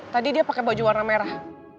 tadi dia pakai baju warna merah